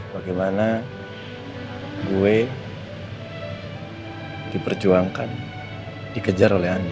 bagaimana gue diperjuangkan dikejar oleh andi